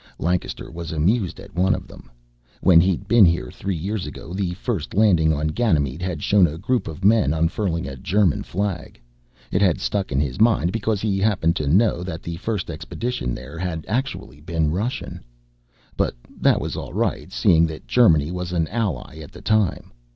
Lancaster was amused at one of them. When he'd been here three years ago, the first landing on Ganymede had shown a group of men unfurling a German flag. It had stuck in his mind, because he happened to know that the first expedition there had actually been Russian. That was all right then, seeing that Germany was an ally at the time.